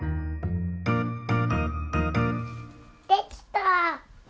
できた！